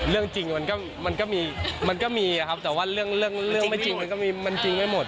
เรื่องจริงมันก็มีมันก็มีครับแต่ว่าเรื่องไม่จริงมันก็มีมันจริงไม่หมด